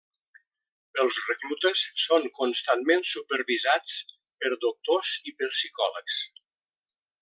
Els reclutes són constantment supervisats per doctors i per psicòlegs.